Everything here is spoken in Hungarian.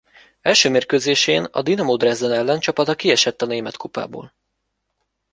Első mérkőzésén a Dynamo Dresden ellen csapata kiesett a Német Kupából.